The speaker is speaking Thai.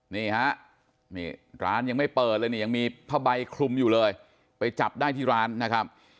นี่ฮะนี่ร้านยังไม่เปิดเลยนี่ยังมีผ้าใบคลุมอยู่เลยไปจับได้ที่ร้านนะครับ